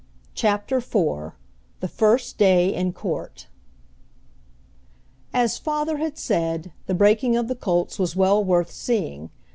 CHAPTER IV THE FIRST DAY IN COURT As father had said, the breaking of the colts was well worth seeing.